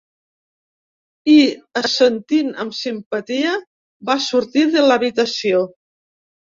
I, assentint amb simpatia, va sortir de l'habitació.